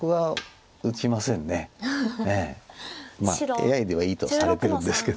ＡＩではいいとされてるんですけども。